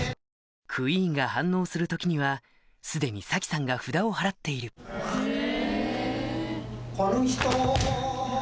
クイーンが反応する時には既に早紀さんが札を払っている来ぬ人を。